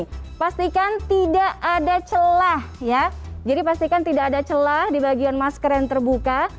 jadi pastikan tidak ada celah ya jadi pastikan tidak ada celah di bagian masker yang terbuka